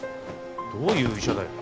どういう医者だよ。